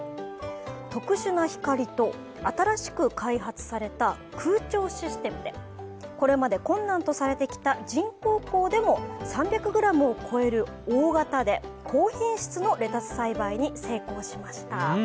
特殊な光と新しく開発された空調システムで、これまで困難とされてきた人工光でも３００ｇを超える大型で高品質のレタス栽培に成功しました。